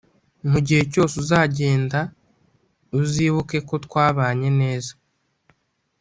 mu gihe cyose uzagenda uzibukeko twabanye neza